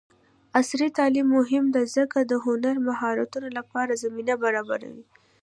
عصري تعلیم مهم دی ځکه چې د هنري مهارتونو لپاره زمینه برابروي.